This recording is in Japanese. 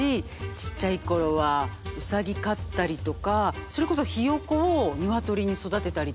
ちっちゃい頃はウサギ飼ったりとかそれこそヒヨコをニワトリに育てたりとか。